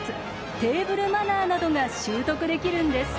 テーブルマナーなどが習得できるんです。